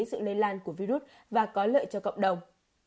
sự lây lan của virus và có lợi cho cộng đồng